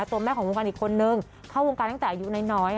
ตัวแม่ของวงการอีกคนนึงเข้าวงการตั้งแต่อายุน้อย